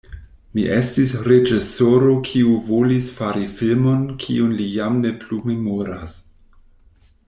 Mi estis reĝisoro kiu volis fari filmon kiun li jam ne plu memoras.